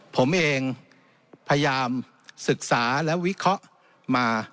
ผมเองพยายามศึกษาและวิเคราะห์มา